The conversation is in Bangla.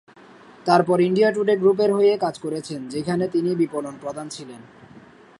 তারপর ইন্ডিয়া টুডে গ্রুপের হয়ে কাজ করেছেন, যেখানে তিনি বিপণন প্রধান ছিলেন।